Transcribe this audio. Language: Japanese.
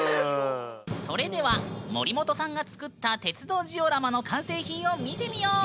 それでは森本さんが作った鉄道ジオラマの完成品を見てみよう！